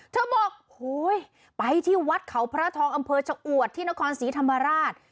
เธอบอกโหยไปที่วัดเขาพระทองอำเภอชะอวดที่นครศรีธรรมราช